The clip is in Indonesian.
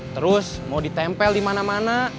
terus mau ditempel di mana mana